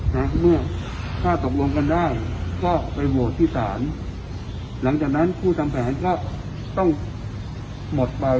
นะเมื่อก็ตกลงกันได้ก็ไปวงเพราะสาหร่างหลังจากนั้นผู้ทำแผนก็ต้องหมดไป